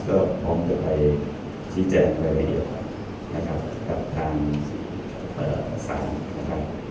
ก็พร้อมจะไปชี้แจงไปกระเย็บนะครับทางศาสตร์นะครับ